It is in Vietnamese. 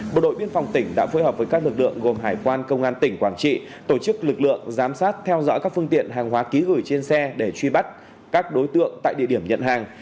bộ đội biên phòng tỉnh đã phối hợp với các lực lượng gồm hải quan công an tỉnh quảng trị tổ chức lực lượng giám sát theo dõi các phương tiện hàng hóa ký gửi trên xe để truy bắt các đối tượng tại địa điểm nhận hàng